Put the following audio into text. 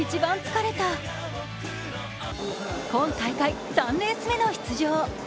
今大会３レース目の出場。